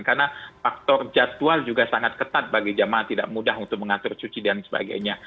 karena faktor jadwal juga sangat ketat bagi jamaah tidak mudah untuk mengatur cuci dan sebagainya